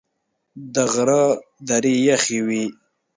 د غره درې یخي وې .